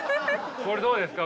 これどうですか。